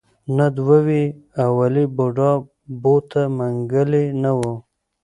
نه دوه وې اولې بوډا بوته منګلی نه و.